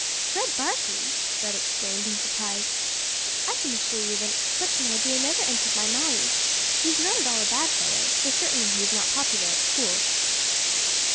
"Fred Barkley," Frank exclaimed, in surprise; "I can assure you such an idea never entered my mind; he is not at all a bad fellow, though certainly he is not popular at School."